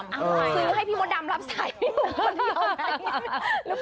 ซื้อให้พี่หมดดำรับสายพี่หนุ่ม